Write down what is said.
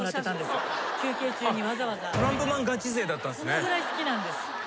そのぐらい好きなんです。